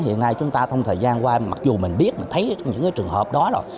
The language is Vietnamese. hiện nay chúng ta trong thời gian qua mặc dù mình biết mình thấy những trường hợp đó rồi